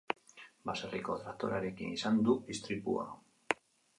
Baserriko traktorearekin izan du istripua.